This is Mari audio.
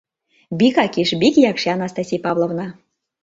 Бик акиш, бик якши, Анастасий Павловна.